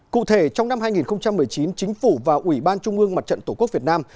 cụ thể trong năm hai nghìn một mươi chín chính phủ và ủy ban trung ương mặt trận tổ quốc việt nam